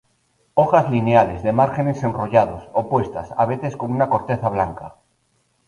Hojas lineales, de márgenes enrollados, opuestas, a veces con una corteza blanca.